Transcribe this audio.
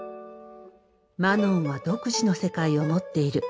マノンは独自の世界を持っている。